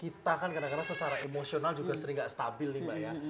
kita kan kadang kadang secara emosional juga sering nggak stabil nih mbak ya